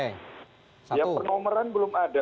ya penomoran belum ada